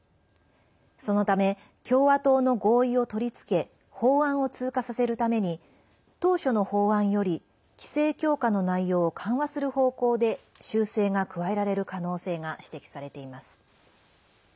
そのため共和党の合意を取り付け法案を通過させるために当初の法案より規制強化の内容を緩和する方向で修正が加えられる可能性が指摘されています。